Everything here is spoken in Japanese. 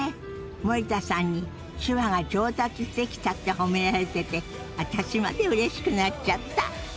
森田さんに手話が上達してきたって褒められてて私までうれしくなっちゃった！